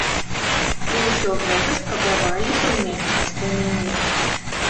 І ўсё гэта спрабавалі прымяняць да мяне.